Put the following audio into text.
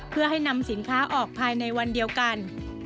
เพื่อให้นำสินค้าออกภายในวันเดียวกัน